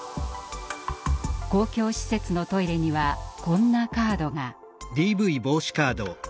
公共施設のトイレにはこんなカードが。